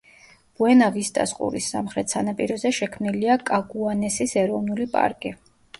ბუენა-ვისტას ყურის სამხრეთ სანაპიროზე შექმნილია კაგუანესის ეროვნული პარკი.